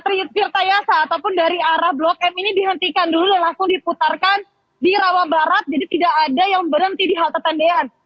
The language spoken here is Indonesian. trita yasa ataupun dari arah blok m ini dihentikan dulu dan langsung diputarkan di rawa barat jadi tidak ada yang berhenti di halte tendean